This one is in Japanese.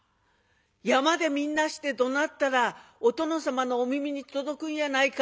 山でみんなしてどなったらお殿様のお耳に届くんやないか？」。